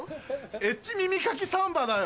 エッチ耳かきサンバだよ。